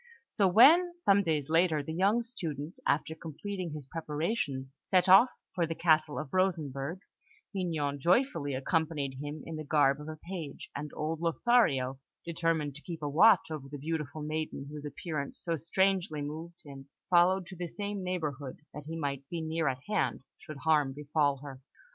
So when, some days later, the young student, after completing his preparations, set off for the Castle of Rosenberg, Mignon joyfully accompanied him in the garb of a page; and old Lothario, determined to keep a watch over the beautiful maiden whose appearance so strangely moved him, followed to the same neighbourhood, that he might be near at hand should harm befall her.